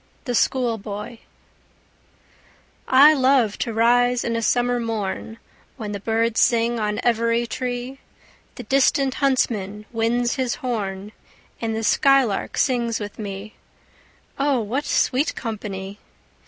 THE SCHOOLBOY I love to rise in a summer morn, When the birds sing on every tree; The distant huntsman winds his horn, And the skylark sings with me: O what sweet company!